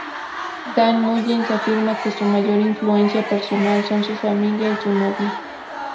Dan Mullins afirma que su mayor influencia personal son su familia y su novia.